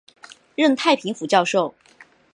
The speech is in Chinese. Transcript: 任太平府教授。